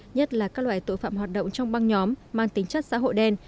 nhất là các loại tội phạm hoạt động trong băng nhóm mang tính chất xã hội đen